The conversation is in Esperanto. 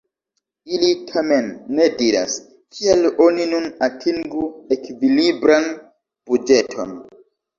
Ili tamen ne diras, kiel oni nun atingu ekvilibran buĝeton.